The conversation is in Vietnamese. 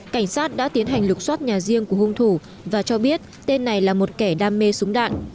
cảnh sát đã tiến hành lục xoát nhà riêng của hung thủ và cho biết tên này là một kẻ đam mê súng đạn